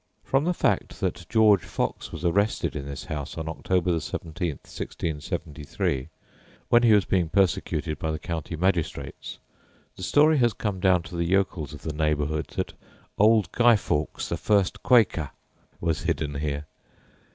From the fact that George Fox was arrested in this house on October 17th, 1673, when he was being persecuted by the county magistrates, the story has come down to the yokels of the neighbourhood that "old Guy Fawkes, the first Quaker," was hidden here!